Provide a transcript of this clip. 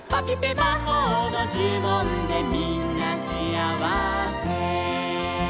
「まほうのじゅもんでみんなしあわせ」